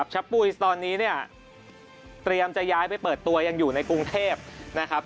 ชะปุยตอนนี้เนี่ยเตรียมจะย้ายไปเปิดตัวยังอยู่ในกรุงเทพนะครับ